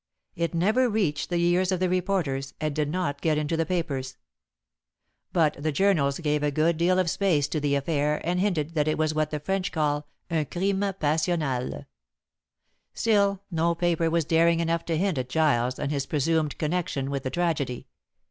It never reached the ears of the reporters, and did not get into the papers. But the journals gave a good deal of space to the affair, and hinted that it was what the French call "un crime passional." Still, no paper was daring enough to hint at Giles and his presumed connection with the tragedy.